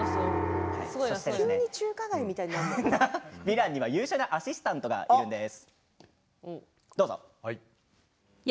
ドラの音ヴィランには優秀なアシスタントがいます。